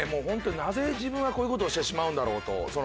ホントになぜ自分はこういう事をしてしまうんだろうと。